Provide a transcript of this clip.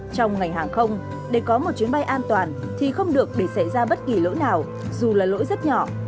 trong ngành hàng không để có một chuyến bay an toàn thì không được để xảy ra bất kỳ lỗi nào dù là lỗi rất nhỏ